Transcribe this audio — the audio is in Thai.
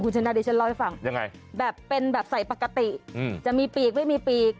คุณฉันนาดิฉันเล่าให้ฟังแบบเป็นแบบใส่ปกติจะมีปีกไม่มีปีก